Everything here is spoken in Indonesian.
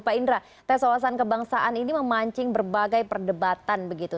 pak indra tes wawasan kebangsaan ini memancing berbagai perdebatan begitu